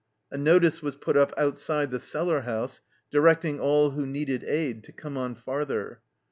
A notice was put up outside the cellar house directing all who needed aid to come on farther.